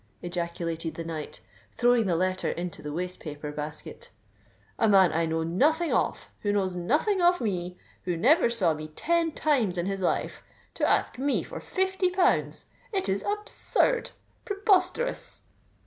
ejaculated the knight, throwing the letter into the waste paper basket. "A man I know nothing of—who knows nothing of me—who never saw me ten times in his life—to ask me for fifty pounds! It is absurd—preposterous!"